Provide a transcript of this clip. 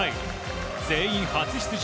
全員初出場。